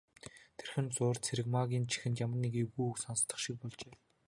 Тэрхэн зуур Цэрэгмаагийн чихэнд ямар нэг эвгүй үг сонстох шиг болжээ.